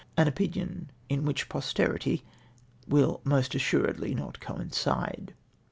An opinion in which posterity will assuredly not coincide.